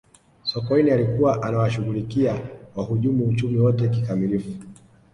sokoine alikuwa anawashughulikia wahujumu uchumi wote kikamilifu